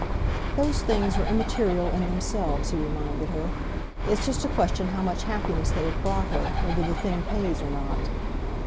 "Those things are immaterial in themselves," he reminded her. "It's just a question how much happiness they have brought her, whether the thing pays or not."